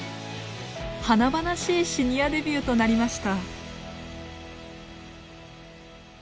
華々しいシニアデビューとなりました。